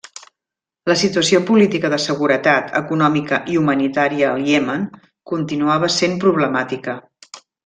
La situació política, de seguretat, econòmica i humanitària al Iemen continuava sent problemàtica.